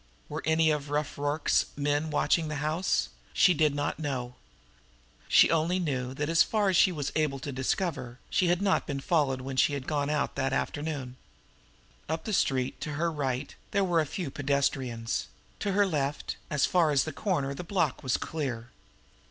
Were any of Rough Rorke's men watching the house? She did not know; she only knew that as far as she had been able to discover, she had not been followed when she had gone out that afternoon. Up the street, to her right, there were a few pedestrians; to her left, as far as the corner, the block was clear.